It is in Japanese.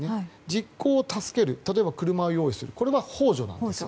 実行を助ける例えば車を用意するこれは幇助なんです。